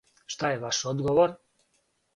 Шта је ваш одговор?